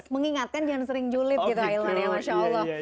mengingatkan jangan sering julid gitu ahilman ya masya allah